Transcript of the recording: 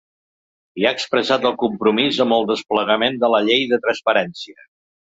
I ha expressat el compromís amb el desplegament de la llei de transparència.